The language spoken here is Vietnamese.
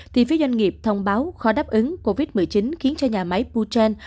thì phía doanh nghiệp thông báo khó đáp ứng covid một mươi chín khiến cho nhà máy putin